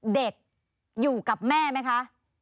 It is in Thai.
เด็กอยู่กับแม่ไหมคะ